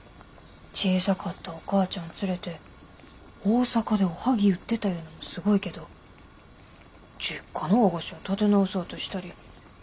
小さかったお母ちゃん連れて大阪でおはぎ売ってたいうのもすごいけど実家の和菓子屋建て直そうとしたり。